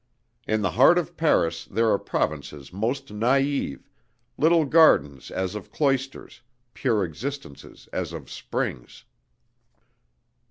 In the heart of Paris there are provinces most naïve, little gardens as of cloisters, pure existences as of springs.